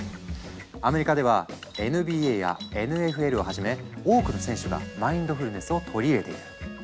アメリカではＮＢＡやＮＦＬをはじめ多くの選手がマインドフルネスを取り入れている。